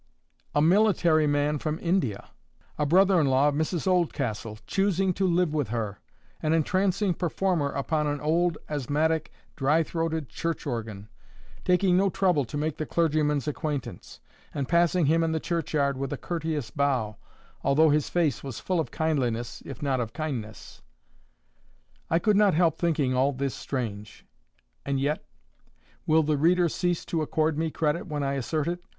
A military man from India! a brother in law of Mrs Oldcastle, choosing to live with her! an entrancing performer upon an old, asthmatic, dry throated church organ! taking no trouble to make the clergyman's acquaintance, and passing him in the churchyard with a courteous bow, although his face was full of kindliness, if not of kindness! I could not help thinking all this strange. And yet—will the reader cease to accord me credit when I assert it?